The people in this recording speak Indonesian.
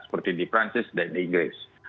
seperti di prancis dan di inggris